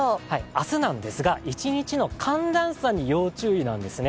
明日なんですが、一日の寒暖差に要注意なんですね。